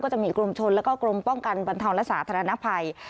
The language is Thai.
จะมีกรมชนแล้วก็กรมป้องกันบรรเทาและสาธารณภัย